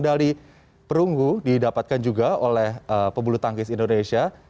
diperunggu didapatkan juga oleh pebulu tangkis indonesia